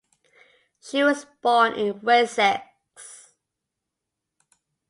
She was born in Wessex.